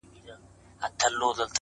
نور دي نو شېخاني كيسې نه كوي”